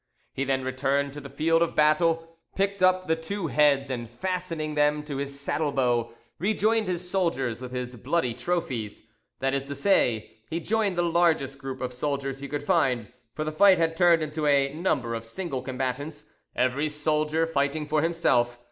He then returned to the field of battle, picked up the two heads, and fastening them to his saddlebow, rejoined his soldiers with his bloody trophies,—that is to say, he joined the largest group of soldiers he could find; for the fight had turned into a number of single combats, every soldier fighting for himself.